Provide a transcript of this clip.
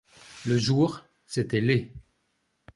Le jour, c'était laid.